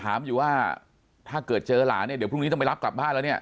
ถามอยู่ว่าถ้าเกิดเจอหลานเนี่ยเดี๋ยวพรุ่งนี้ต้องไปรับกลับบ้านแล้วเนี่ย